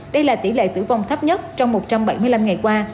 đây là tỷ lệ tử vong thấp nhất trong một trăm bảy mươi năm ngày qua